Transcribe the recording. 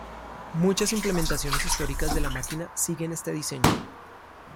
Muchas implementaciones históricas de la máquina siguen este diseño.